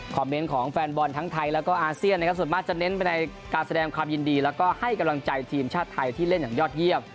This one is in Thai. เมนต์ของแฟนบอลทั้งไทยแล้วก็อาเซียนนะครับส่วนมากจะเน้นไปในการแสดงความยินดีแล้วก็ให้กำลังใจทีมชาติไทยที่เล่นอย่างยอดเยี่ยม